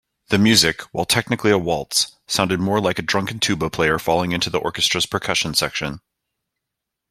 The music, while technically a waltz, sounded more like a drunken tuba player falling into the orchestra's percussion section.